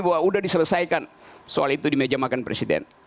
kalau udah diselesaikan soal itu di meja makan presiden